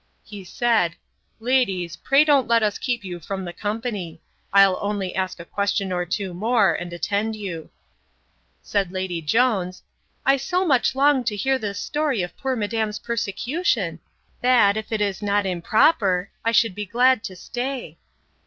He said, Ladies, pray don't let us keep you from the company; I'll only ask a question or two more, and attend you. Said Lady Jones, I so much long to hear this story of poor madam's persecution, that, if it was not improper, I should be glad to stay.